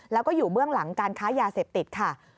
แล้วก็อยู่เบื้องหลังการค้ายาเสพติดค่ะ